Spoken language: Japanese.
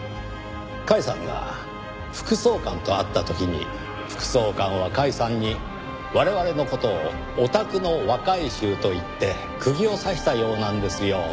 甲斐さんが副総監と会った時に副総監は甲斐さんに我々の事を「おたくの若い衆」と言って釘を刺したようなんですよ。